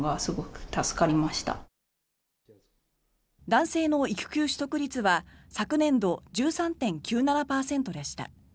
男性の育休取得率は昨年度、１３．９７％でした。